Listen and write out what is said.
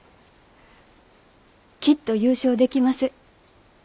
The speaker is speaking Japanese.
きっと優勝できます。